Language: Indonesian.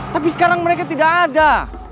tapi sekarang mereka tidak ada